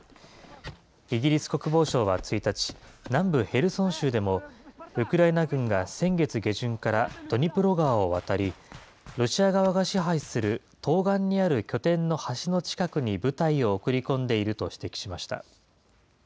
イギリス国防省は１日、南部ヘルソン州でも、ウクライナ軍が先月下旬からドニプロ川を渡り、ロシア側が支配する東岸にある拠点の橋の近くに部隊を送り込んでいると指摘しました。